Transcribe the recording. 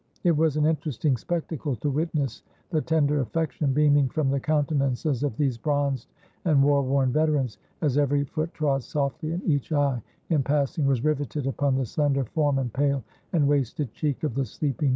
It was an interesting spectacle to witness the tender af fection beaming from the countenances of these bronzed and war worn veterans, as every foot trod softly and each eye, in passing, was riveted upon the slender form and pale and wasted cheek of the sleeping Napoleon.